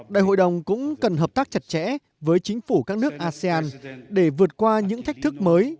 đại hội đồng cũng cần hợp tác chặt chẽ với chính phủ các nước asean để vượt qua những thách thức mới